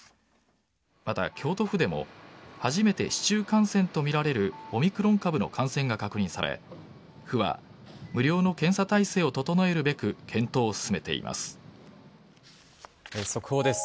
また、京都府でも初めて市中感染とみられるオミクロン株の感染が確認され府は無料の検査体制を整えるべく検討を進めています。